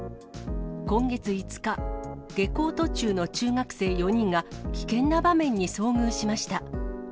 今月５日、下校途中の中学生４人が危険な場面に遭遇しました。